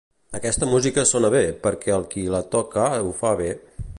Aquesta música sona bé, perquè el qui la toca ho fa bé.